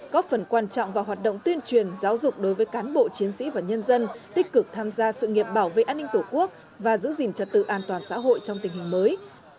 góp phần quan trọng vào hoạt động tuyên truyền giáo dục đối với cán bộ chiến sĩ và nhân dân tích cực tham gia sự nghiệp bảo vệ an ninh tổ quốc và giữ gìn trật tự an toàn xã hội trong tình hình mới